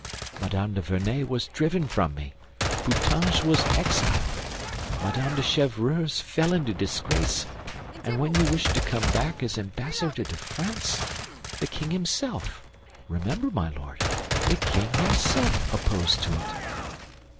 Madame de Vernet was driven from me, Putange was exiled, Madame de Chevreuse fell into disgrace, and when you wished to come back as ambassador to France, the king himself—remember, my lord—the king himself opposed it."